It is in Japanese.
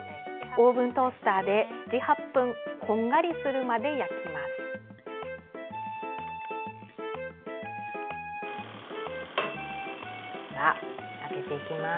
オーブントースターで７８分こんがりするまで焼きます。